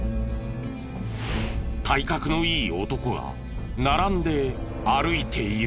体格のいい男が並んで歩いている。